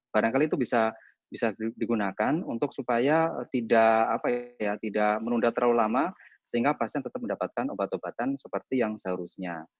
barangkali itu bisa digunakan untuk supaya tidak menunda terlalu lama sehingga pasien tetap mendapatkan obat obatan seperti yang seharusnya